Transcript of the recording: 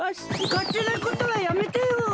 かってなことはやめてよ。